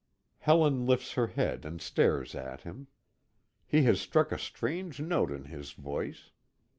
Helen lifts her head and stares at him. He has struck a strange note in his voice.